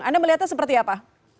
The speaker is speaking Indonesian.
anda melihatnya seperti apa